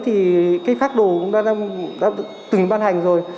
thì cái phát đồ đã từng ban hành rồi